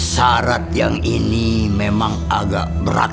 syarat yang ini memang agak berat